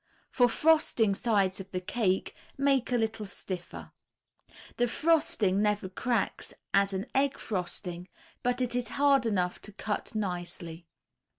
For frosting sides of the cake, make a little stiffer. This frosting never cracks as an egg frosting, but is hard enough to cut nicely.